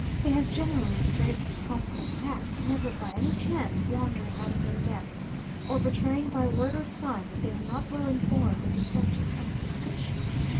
They have generally the greatest possible tact; never by any chance wandering out of their depth, or betraying by word or sign that they are not well informed of the subject under discussion.